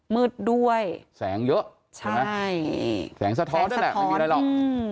มืดด้วยแสงเยอะใช่ไหมใช่แสงสะท้อนนั่นแหละไม่มีอะไรหรอก